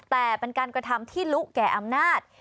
แต่เป็นการกระทำที่ลุแก่อำนาจ